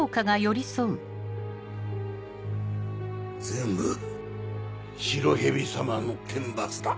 全部白蛇様の天罰だ。